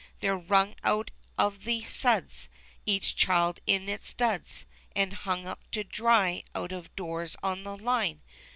They're wrung out of the suds. Each child in its duds. And hung up to dry out of doors on the line